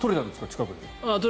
近くで。